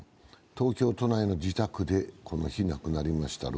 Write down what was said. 東京都内の自宅でこの日亡くなりました。